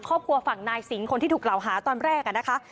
ครอบครัวฝั่งนายสิงห์คนที่ถูกกล่าวหาตอนแรกนะคะ